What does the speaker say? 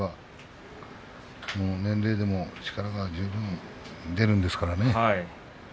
年齢でも力が十分出るんですからね。